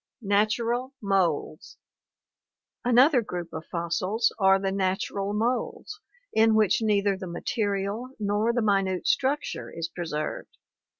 Natural Moulds. — Another group of fossils are the natural moulds in which neither the material nor the minute structure is preserved.